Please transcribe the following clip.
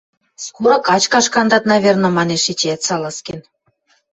— Скоро качкаш кандат, наверно, — манеш эчеӓт Салазкин.